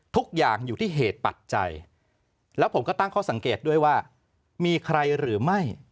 ทุกอย่างอยู่ที่เหตุปัจจัยแล้วผมก็ตั้งข้อสังเกตด้วยว่ามีใครหรือไม่